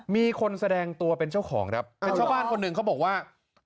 มีคนแสดงตัวเป็นเจ้าของครับเป็นชาวบ้านคนหนึ่งเขาบอกว่า